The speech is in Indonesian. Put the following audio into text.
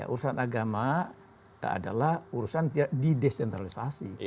urusan agama adalah urusan tidak didesentralisasi